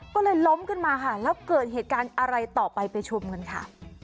ก็เลยล้มขึ้นมาค่ะแล้วเกิดเหตุการณ์อะไรต่อไปไปชมกันค่ะ